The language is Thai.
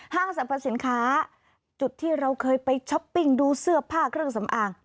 สรรพสินค้าจุดที่เราเคยไปช้อปปิ้งดูเสื้อผ้าเครื่องสำอาง